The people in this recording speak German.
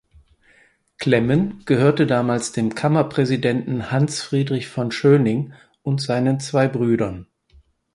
Klemmen gehörte damals dem Kammerpräsidenten Hans Friedrich von Schöning und seinen zwei Brüdern.